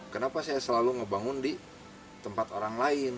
kenapa saya selalu ngebangun di tempat orang lain